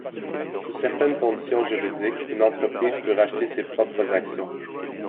Sous certaines conditions juridiques, une entreprise peut racheter ses propres actions.